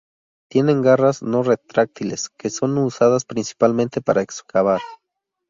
Tienen garras no retráctiles que son usadas principalmente para excavar.